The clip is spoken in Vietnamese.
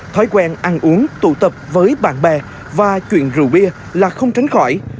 thói quen ăn uống tụ tập với bạn bè và chuyện rượu bia là không tránh khỏi